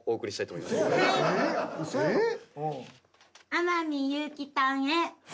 「天海祐希たんへ」